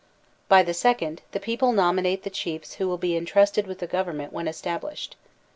By the second, the people nominate the chiefs who will be intrusted with the government when established.